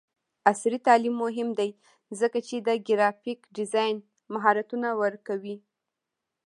عصري تعلیم مهم دی ځکه چې د ګرافیک ډیزاین مهارتونه ورکوي.